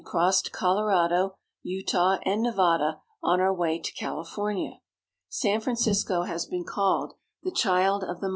2/5 crossed Colorado, Utah, and Nevada, on our way to Cali fornia. San Francisco has been called the '' Child of the San Francisco.